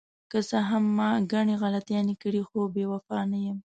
که څه هم ما ګڼې غلطیانې کړې، خو بې وفا نه یم.